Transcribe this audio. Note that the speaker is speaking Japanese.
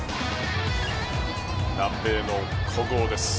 南米の古豪です。